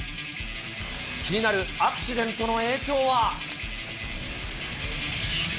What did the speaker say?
気になるアクシデントの影響は。